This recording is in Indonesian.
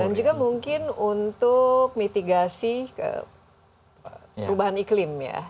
dan juga mungkin untuk mitigasi keubahan iklim ya